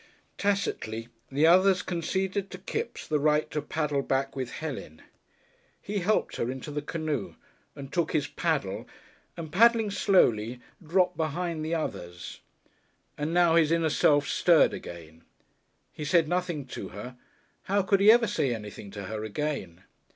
Tacitly the others conceded to Kipps the right to paddle back with Helen; he helped her into the canoe and took his paddle, and, paddling slowly, dropped behind the others. And now his inner self stirred again. He said nothing to her. How could he ever say anything to her again?